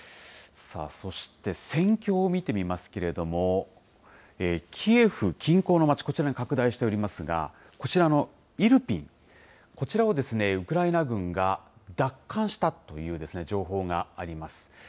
そして、戦況を見てみますけれども、キエフ近郊の町、こちらに拡大しておりますが、こちらのイルピン、こちらをウクライナ軍が奪還したという情報があります。